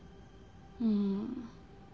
うん。